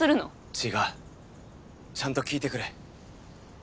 違うちゃんと聞いてくれ！